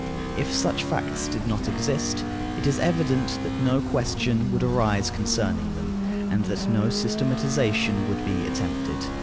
If such facts did not exist, it is evident that no question would arise concerning them, and that no systematization would be attempted.